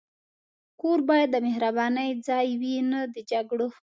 کور باید د مهربانۍ ځای وي، نه د جګړو.